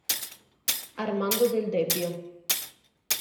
Armando Del Debbio